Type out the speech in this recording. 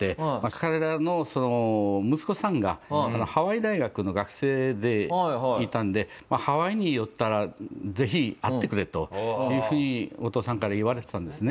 彼らの息子さんがハワイ大学の学生でいたんでハワイに寄ったらぜひ会ってくれというふうにお父さんから言われてたんですね。